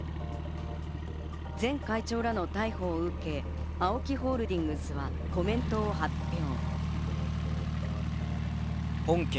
前会長らの逮捕を受け、ＡＯＫＩホールディングスはコメントを発表。